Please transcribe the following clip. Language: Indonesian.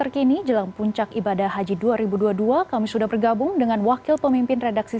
kondisi saya adalah sehat terima kasih